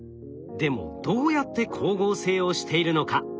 でもどうやって光合成をしているのか。